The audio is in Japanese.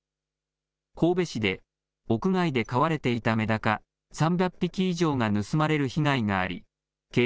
神戸市で、屋外で飼われていたメダカ３００匹以上が盗まれる被害があり、警